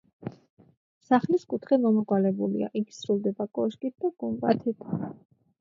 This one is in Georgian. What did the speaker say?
სახლის კუთხე მომრგვალებულია, იგი სრულდება კოშკით და გუმბათით.